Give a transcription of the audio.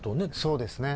そうですね。